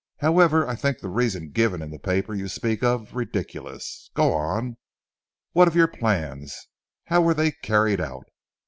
However I think the reason given in the paper you speak of ridiculous. Go on. What of your plans? How were they carried out?"